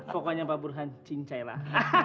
pokoknya pak burhan cincailah